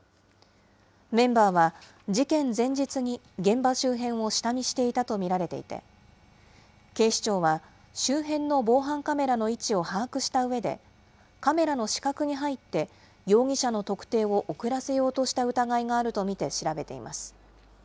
メンバーは事件前日に現場周辺を下見していたと見られていて、警視庁は周辺の防犯カメラの位置を把握したうえで、カメラの死角に入って容疑者の特定を遅らせようとした疑いがあると見て、調べています。